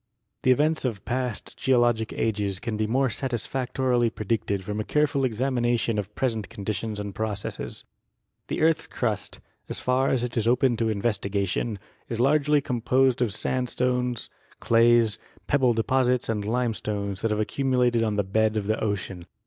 The events of past geologic ages can be most satisfactorily predicted from a careful examination of present conditions and processes. The earth's crust, as far as it is open to investigation, is largely composed of sandstones, clays, pebble deposits and limestones that have accumulated on the bed of the ocean.